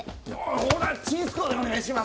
俺はちんすこうでお願いします。